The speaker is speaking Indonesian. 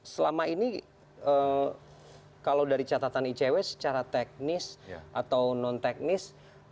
selama ini kalau dari catatan icw secara teknis atau non teknis